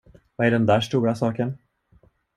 Vad är den där stora saken?